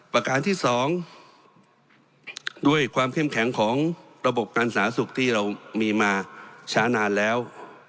ประการที่๒ด้วยความเข้มแข็งของระบบการสาธารณสุขที่เรามีมาช้านานแล้ว